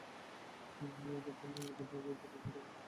Madhabkunda eco পার্কে ঢোকার ফটক পেরিয়ে মনে হলো, এখানে বৃষ্টি বনের সখা।